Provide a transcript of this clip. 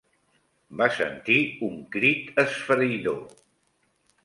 Va sentir un crit esfereïdor